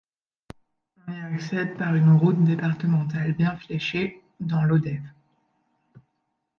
On y accède par une route départementale bien fléchée dans Lodève.